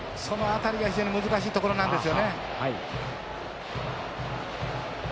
その辺りが非常に難しいところなんですよね。